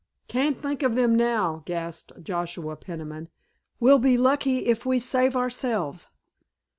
"Can't think of them now," gasped Joshua Peniman; "we'll be lucky if we save ourselves!"